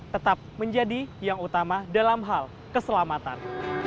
tetap menjadi yang utama dalam hal keselamatan